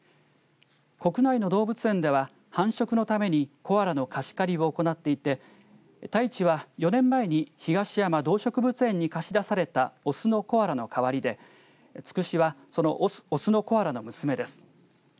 国内の動物園では繁殖のためにコアラの貸し借りを行っていてタイチは４年前に東山動植物に貸し出された雄のコアラの代わりで、つくしはその雄のコアラの娘です。